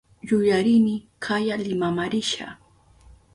Yuyarini kaya Limama risha.